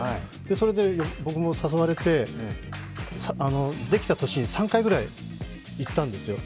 それで僕も誘われて、できた年に３回くらい行ったんですよ。